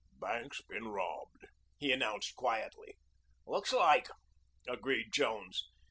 "Bank's been robbed," he announced quietly. "Looks like," agreed Jones.